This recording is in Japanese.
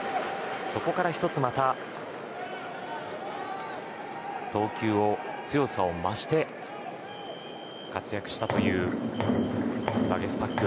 そこから１つまた投球の強さを増して活躍したというワゲスパック。